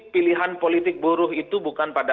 pilihan politik buruh itu bukan pada